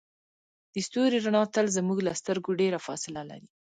د ستوري رڼا تل زموږ له سترګو ډیره فاصله لري.